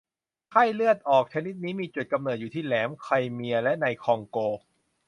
ไข้เลือดออกชนิดนี้มีจุดกำเนิดอยู่ที่แหลมไครเมียและในคองโก